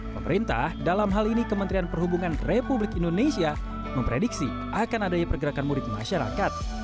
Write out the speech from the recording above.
pemerintah dalam hal ini kementerian perhubungan republik indonesia memprediksi akan adanya pergerakan mudik masyarakat